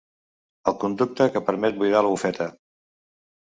El conducte que permet buidar la bufeta.